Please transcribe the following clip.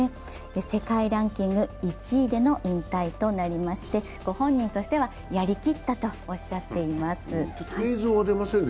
世界ランキング１位での引退となりましてご本人としては、やりきったとおっしゃっています。